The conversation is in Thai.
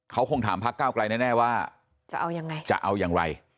เขาคงถามพักเก้าไกลแน่ว่าจะเอายังไงจะเอาอย่างไร